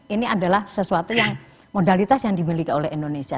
ini adalah sesuatu yang modalitas yang dimiliki oleh indonesia